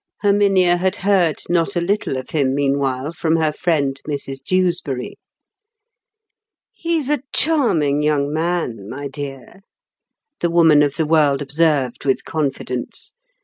Herminia had heard not a little of him meanwhile from her friend Mrs Dewsbury. "He's a charming young man, my dear," the woman of the world observed with confidence.